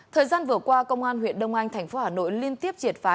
thời gian vừa qua công an huyện đông anh tp hà nội liên tiếp triệt phá